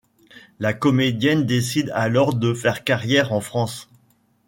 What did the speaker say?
La comédienne décide alors de faire carrière en France.